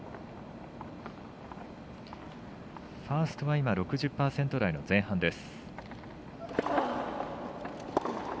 ファーストは６０％台の前半です。